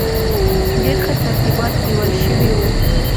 ډېر ښه ترتیبات نیول شوي وو.